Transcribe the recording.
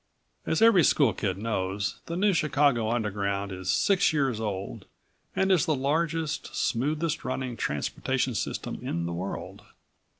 As every school kid knows, the New Chicago Underground is six years old, and is the largest, smoothest running transportation system in the world.